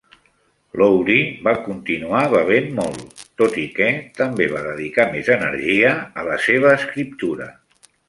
Lowry va continuar bevent molt, tot i que també va dedicar més energia a la seva escriptura.